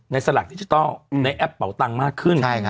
สลากดิจิทัลในแอปเป่าตังค์มากขึ้น